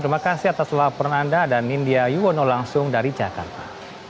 terima kasih atas laporan anda dan nindya yuwono langsung dari jakarta